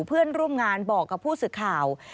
เพื่อนร่วมงานบอกกับผู้สื่อข่าว